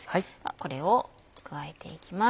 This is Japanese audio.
これを加えていきます。